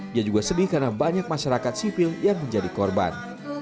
dia juga sedih karena banyak masyarakat sipil yang menjadi korban